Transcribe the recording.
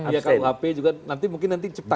iya kalau hp juga nanti mungkin nanti cepat